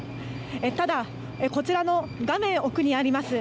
ただ、こちらの画面奥にあります